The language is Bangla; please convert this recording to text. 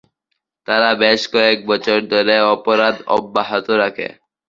তারা বেশ কয়েক বছর ধরে অপরাধ অব্যাহত রাখে।